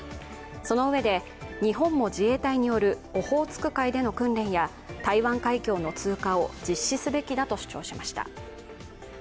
そのうえで、日本も自衛隊によるオホーツク海での訓練や台湾海峡の通過を実施すべきだと主張しました。